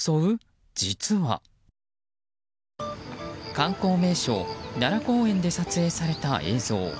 観光名所・奈良公園で撮影された映像。